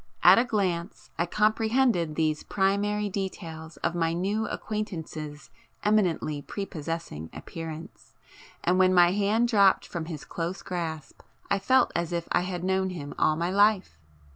At a glance I comprehended these primary details of my new acquaintance's eminently prepossessing appearance, and when my hand dropped from his close grasp I felt as if I had known him all my life!